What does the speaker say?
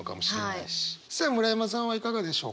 さあ村山さんはいかがでしょうか？